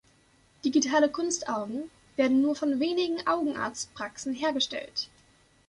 Digitale Kunstaugen werden nur von wenigen Augenarztpraxen hergestellt.